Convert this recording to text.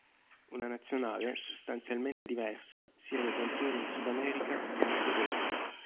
Una nazionale, sostanzialmente diversa si reca in tour in Sud America un mese dopo.